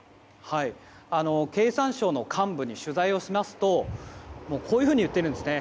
経産省の幹部に取材をしますとこういうふうに言っているんですね。